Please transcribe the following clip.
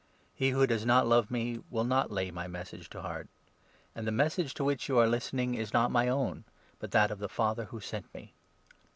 He who does not 24 love me will not lay my Message to heart ; and the Message to which you are listening is not my own, but that of the Father who sent me.